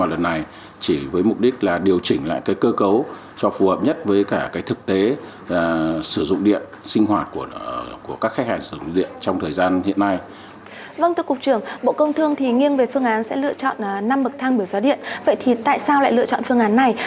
vậy thì tại sao lại lựa chọn phương án này và đâu là những hiệu quả của phương án chọn